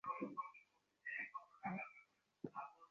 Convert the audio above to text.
Superman এটা কখনো করবে না।